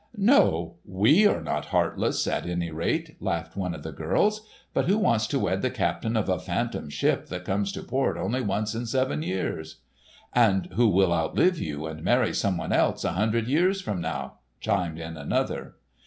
"No, we are not heartless, at anyrate!" laughed one of the girls. "But who wants to wed the captain of a Phantom Ship that comes to port only once in seven years?" "And who will outlive you, and marry someone else, a hundred years from now?" chimed in another.